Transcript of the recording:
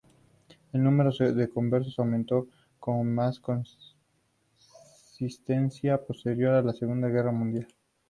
El número de conversos aumentó con más consistencia posterior a la Segunda Guerra Mundial.